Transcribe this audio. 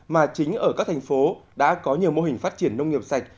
mà chính ở các thành phố đã có nhiều mô hình phát triển nông nghiệp sạch